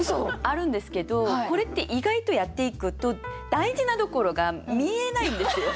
あるんですけどこれって意外とやっていくと大事なところが見えないんですよ！